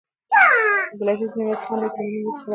عبدالعزیز د میرویس خان تر مړینې وروسته قدرت ته ورسېد.